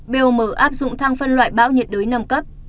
botm áp dụng thang phân loại bão nhiệt đới năm cấp